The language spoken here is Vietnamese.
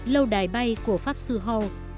lâu đài bay của pháp sư hall